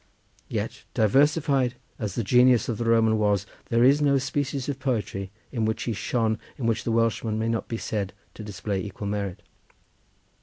Yet, diversified as the genius of the Roman was, there was no species of poetry in which he shone in which the Welshman may not be said to display equal merit.